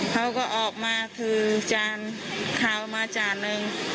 เขาก็ออกมาถือจานขาวมาจานนึง